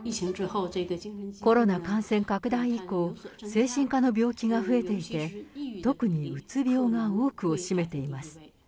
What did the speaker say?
コロナ感染拡大以降、精神科の病気が増えていて、特にうつ病が多くを占めています。